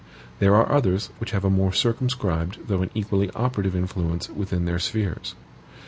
There are others which have a more circumscribed though an equally operative influence within their spheres.